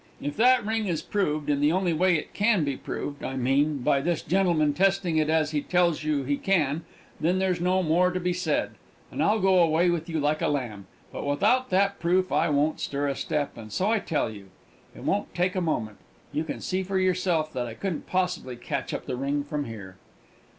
If that ring is proved in the only way it can be proved, I mean, by this gentleman testing it as he tells you he can then there's no more to be said, and I'll go away with you like a lamb. But without that proof I won't stir a step, and so I tell you. It won't take a moment. You can see for yourself that I couldn't possibly catch up the ring from here!"